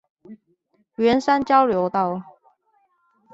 圓山交流道